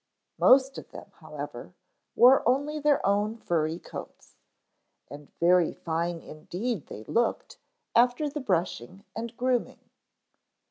Most of them, however, wore only their own furry coats. And very fine indeed they looked after all the brushing and grooming.